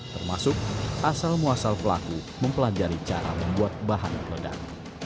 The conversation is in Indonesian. termasuk asal muasal pelaku mempelajari cara membuat bahan peledak